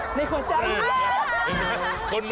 โอ้โฮไม่ใช่แค่ข้างหลังนะ